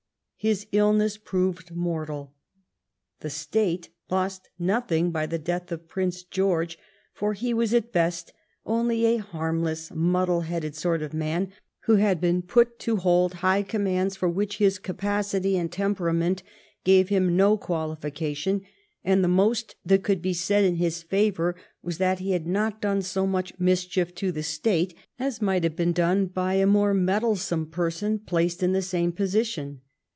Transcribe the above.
His illness proved mortal. The state lost nothing by the death of Prince Oeorge, for he was at best only a harmless, muddle headed sort of man, who had been put to hold high commands for which his capacity and temperament gave him no qualification, and the most that could be said in his favor was that he had not done so much mischief to the state as might have been done by a more meddlesome person placed in the same position.